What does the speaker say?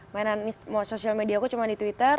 mainan social media aku cuma di twitter